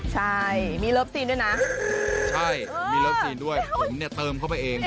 ใช่มีรับซีนด้วยผมเนี่ยเติมเข้าไปเอง